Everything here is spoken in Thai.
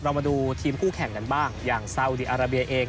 มาดูทีมคู่แข่งกันบ้างอย่างซาอุดีอาราเบียเอง